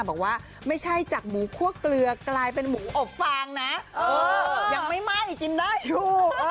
บอกว่าไม่ใช่จากหมูคั่วเกลือกลายเป็นหมูอบฟางนะยังไม่ไหม้กินได้อยู่